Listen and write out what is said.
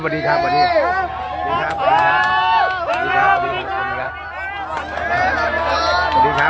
สวัสดีครับสวัสดีครับสวัสดีครับสวัสดีครับสวัสดีครับสวัสดีครับสวัสดีครับ